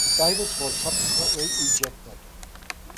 Davis was subsequently ejected.